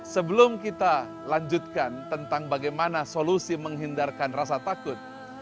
sebelum kita lanjutkan tentang bagaimana solusi menghindarkan rasa takut